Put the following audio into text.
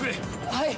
はい！